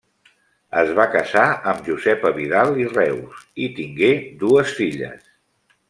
Es va casar amb Josepa Vidal i Reus i tingué dues filles: